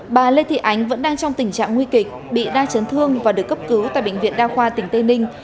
bà lê thị ánh vẫn đang trong tình trạng nguy kịch bị đa chấn thương và được cấp cứu tại bệnh viện đa khoa tỉnh tây ninh